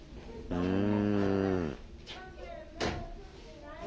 うん。